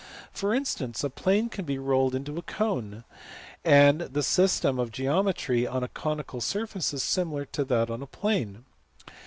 For instance a plane can be rolled into a cone, and the system of geometry on a conical surface is similar to that on a plane.